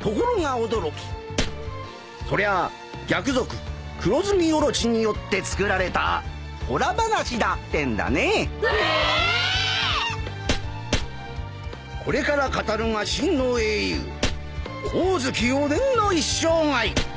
ところが驚きそりゃあ逆賊黒炭オロチによって作られたほら話だってんだね。え！？これから語るが真の英雄光月おでんの一生涯！